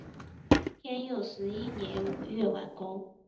天佑十一年五月完工。